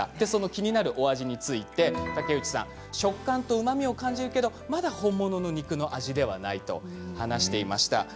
気になるお味について竹内さんは食感とうまみは感じるけれどまだ本物の肉の味ではないと話していました。